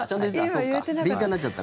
そうか、敏感になっちゃった。